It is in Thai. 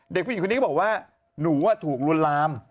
เด็กผู้หญิงคนนี้ก็บอกว่าหนูถูกลวนลาม